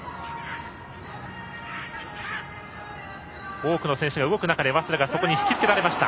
多くの選手が動く中で、早稲田がそこに引き付けられました。